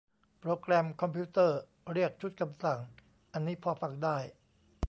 โปรแกรมคอมพิวเตอร์ เรียกชุดคำสั่ง อันนี้พอฟังได้